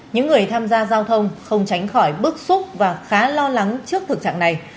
những người tham gia giao thông không tránh khỏi bức xúc và khá lo lắng trước thực trạng này